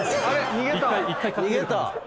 逃げた。